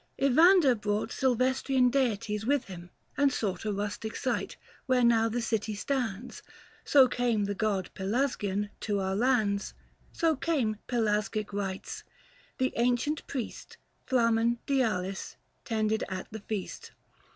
Evander brought Silvestrian deities with him, and sought A rustic site, where now the city stands. 290 So came the god Pelasgian to our lands ; So came Pelasgic rites : the ancient priest Flamen Dialis tended at the feast.